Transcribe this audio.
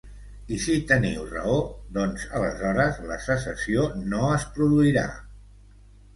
I si teniu raó, doncs aleshores la secessió no es produirà.